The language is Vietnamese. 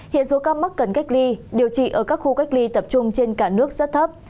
hiện số ca mắc cần cách ly điều trị ở các khu cách ly tập trung trên cả nước rất thấp